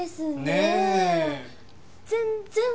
ねえ。